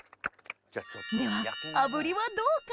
では炙りはどうか？